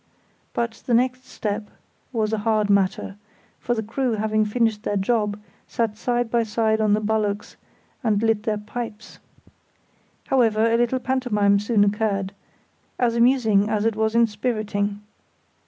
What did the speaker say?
But the next step was a hard matter, for the crew having finished their job sat side by side on the bulwarks and lit their pipes. However, a little pantomime soon occurred, as amusing as it was inspiriting.